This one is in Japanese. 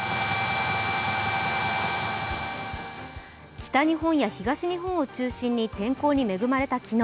北日本や東日本を中心に天候に恵まれた昨日。